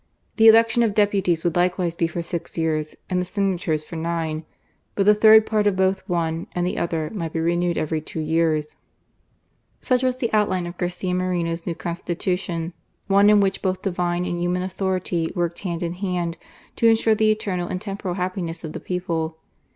The election of deputies would likewise be for six years, and the senators for nine. But the third part of both one and the other might be renewed every two years," Such was the outline of Garcia Moreno's new Constitution — one in which both Divine and human authority worked hand in hand to ensure the eternal and temporal happiness of the people.